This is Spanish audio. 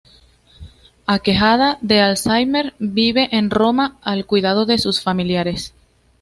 Aquejada de alzheimer vive en Roma al cuidado de sus familiares.